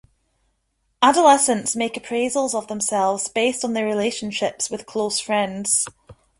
Adolescents make appraisals of themselves based on their relationships with close friends.